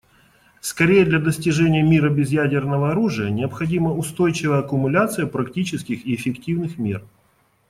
Скорее, для достижения мира без ядерного оружия необходима устойчивая аккумуляция практических и эффективных мер.